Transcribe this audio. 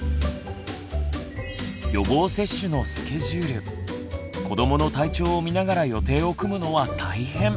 予防接種のスケジュール子どもの体調を見ながら予定を組むのは大変。